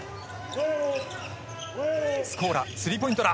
スコーラ、スリーポイントだ。